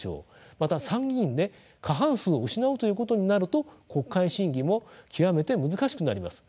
また参議院で過半数を失うということになると国会審議も極めて難しくなります。